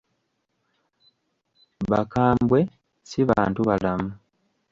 Bakambwe, ssi bantu balamu.